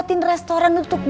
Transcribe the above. tidak ada abusive